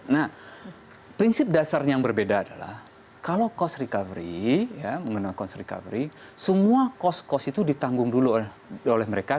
nah prinsip dasarnya yang berbeda adalah kalau cost recovery mengenal cost recovery semua cost cost itu ditanggung dulu oleh mereka